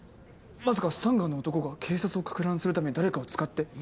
まさかスタンガンの男が警察をかく乱するために誰かを使って